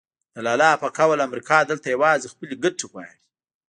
د لالا په قول امریکا دلته یوازې خپلې ګټې غواړي.